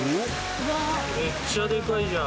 めっちゃデカいじゃん。